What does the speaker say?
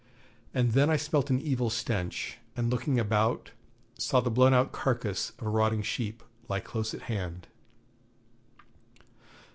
And then I smelt an evil stench, and looking about, saw the blown out carcass of a rotting sheep lie close at hand.